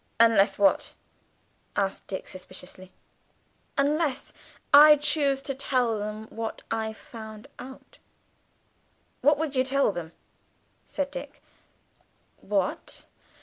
"Unless what?" asked Dick suspiciously. "Unless I chose to tell them what I've found out." "What would you tell them?" said Dick. "What?